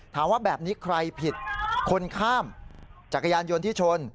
ถามว่าแบบนี้ใครผิดคนข้ามจักรยานยนต์ที่ชน